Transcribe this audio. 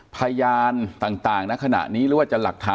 พยานต่างณขณะนี้หรือว่าจะหลักฐาน